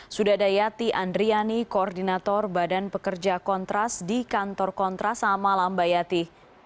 sudadayati andriani koordinator badan pekerja kontras di kantor kontras selamat malam mbak yati